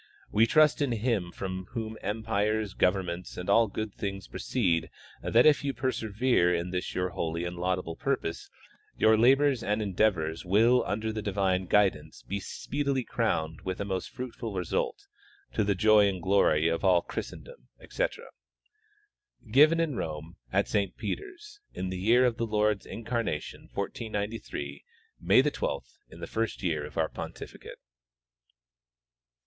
We trust in Him from whom empires, governments and all goods things proceed that if you persevere in this your holy and laudable purpose your labors and endeavors will under the divine guidance be speedily crowned with a most fruitful result, to the joy and glory of all Christendom, etc. Given in Rome, at Saint Peter's, in the year of the Lord's incarnation 1493, May 12, in tlie first year of our pontificate.